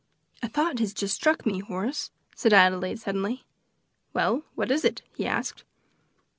"A thought has just struck me, Horace," said Adelaide suddenly. "Well, what is it?" he asked.